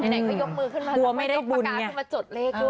ไหนก็ยกมือขึ้นมาแล้วก็ยกประกาศขึ้นมาจดเลขด้วย